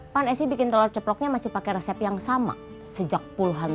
pan esy bikin telur ceproknya masih pakai resep yang sama kan